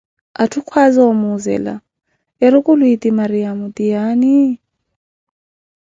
Atthu kwaaza o muzela, erukulu eti Mariyamo tiaani ?